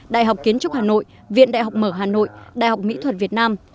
đại học kiến trúc hà nội viện đại học mở hà nội đại học mỹ thuật việt nam